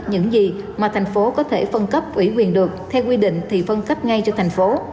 những gì mà thành phố có thể phân cấp ủy quyền được theo quy định thì phân cấp ngay cho thành phố